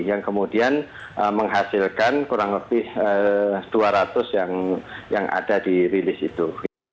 yang kemudian menghasilkan kurang lebih dua ratus yang ada di rilis itu